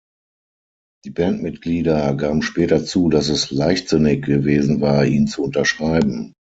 Die Bandmitglieder gaben später zu, dass es leichtsinnig gewesen war, ihn zu unterschreiben.